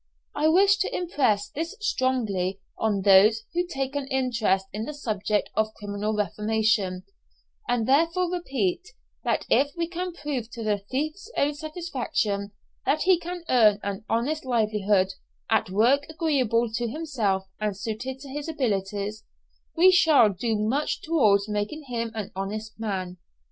I wish to impress this strongly on those who take an interest in the subject of criminal reformation; and therefore repeat, that if we can prove to the thief's own satisfaction that he can earn an honest livelihood, at work agreeable to himself and suited to his abilities, we shall do much towards making him an honest man.